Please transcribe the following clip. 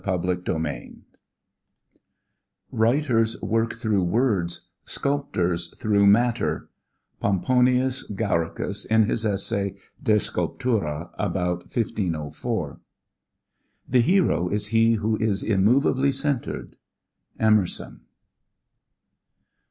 T. AUGUSTE RODIN "Writers work through words Sculptors through matter" Pomponius Gauricus in his essay, "De Sculptura" (about 1504). _"The hero is he who is immovably centred." Emerson.